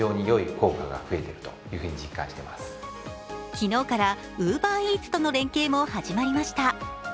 昨日からＵｂｅｒＥａｔｓとの連携も始まりました。